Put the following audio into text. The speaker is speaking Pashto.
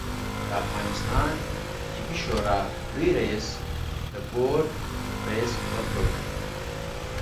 د افغانستان طبي شورا لوي رئیس د بورد رئیس په توګه